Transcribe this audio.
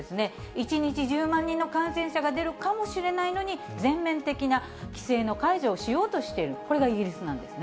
１日１０万人の感染者が出るかもしれないのに、全面的な規制の解除をしようとしている、これがイギリスなんですね。